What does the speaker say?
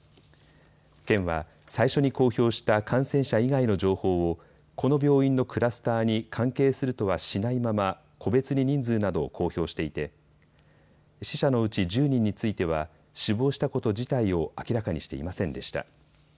県は最初に公表した感染者以外の情報をこの病院のクラスターに関係するとはしないまま個別に人数などを公表していて死者のうち１０人については死亡したこと自体を明らかにしていませんでした。